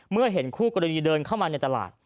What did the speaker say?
เมื่อเห็นคู่กรณีเดินเข้ามาในตลาด